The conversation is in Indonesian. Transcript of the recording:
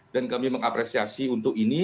dan kami mengapresiasi untuk ini